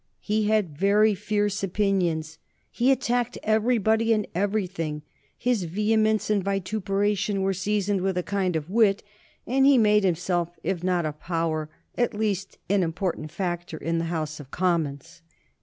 He had very fierce opinions; he attacked everybody and everything; his vehemence and vituperation were seasoned with a kind of wit, and he made himself, if not a power, at least an important factor in the House of Commons.